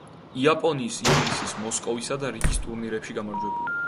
იაპონიის, ინგლისის, მოსკოვისა და რიგის ტურნირებში გამარჯვებული.